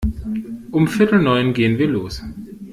Um viertel neun gehen wir los.